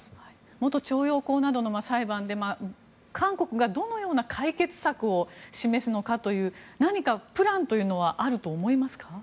元徴用工などの裁判で韓国が、どのような解決策を示すのかという何かプランはあると思いますか。